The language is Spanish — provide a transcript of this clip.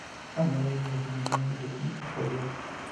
A mediados de ese mismo año se disolvieron.